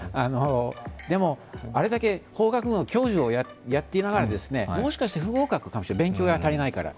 でも、あれだけ法学部の教授をやっていながらもしかして不合格かもしれない、勉強が足りないから。